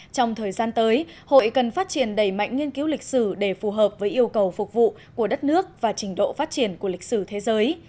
trong thời gian tới hội cần phát triển đầy mạnh nghiên cứu lịch sử để phù hợp với yêu cầu phục vụ của đất nước và trình độ phát triển của lịch sử thế giới